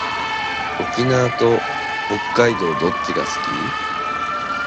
沖縄と北海道どっちが好き？